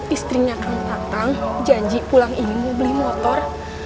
istrinya kang tatang janji pulang ini mau beli motor